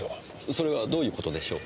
それはどういう事でしょう？